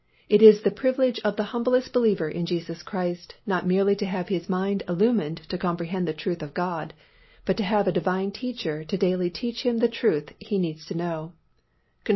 It is the privilege of the humblest believer in Jesus Christ not merely to have his mind illumined to comprehend the truth of God, but to have a Divine Teacher to daily teach him the truth he needs to know (cf.